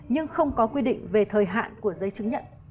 nhưng không có quy định về thời hạn của giấy chứng nhận